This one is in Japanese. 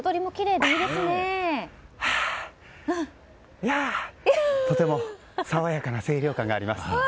いやー、とても爽やかな清涼感があります。